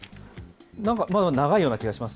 なんかまだ長いような気がします